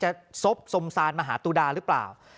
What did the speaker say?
จะซบสมสารมาหาตูดาหรือเปล่า